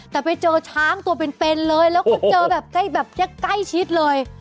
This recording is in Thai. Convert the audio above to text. แต่ไปเจอช้างตัวเป็นเลยแล้วก็เจอแบบใกล้แบบใกล้ชิดเลย